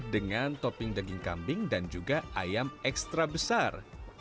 dengan topping daging kambing dan juga ayam ekstra besar